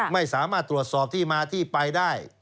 ไม่สามารถตรวจสอบที่มาที่ไปได้